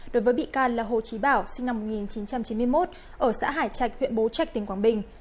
đối với bị can là hồ chí bảo sinh năm một nghìn chín trăm chín mươi một ở xã hải trạch huyện bố trạch tỉnh quảng bình